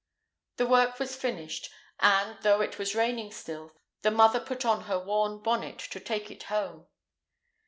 The work was finished, and, though it was raining still, the mother put on her worn bonnet to take it home.